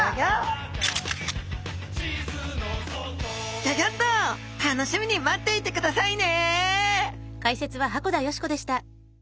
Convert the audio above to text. ギョギョッと楽しみに待っていてくださいね！